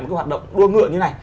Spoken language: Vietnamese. một cái hoạt động đua ngựa như này